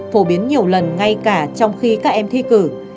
phổ biến nhiều lần ngay cả trong khi các em thi cử